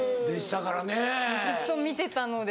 ずっと見てたので。